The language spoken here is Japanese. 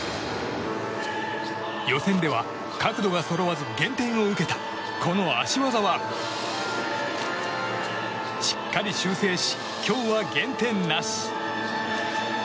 予選では角度がそろわず減点を受けたこの脚技は、しっかり修正し今日は減点なし。